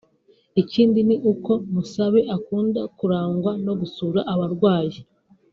Ikindi ni uko Musabe akunda kurangwa no gusura abarwayi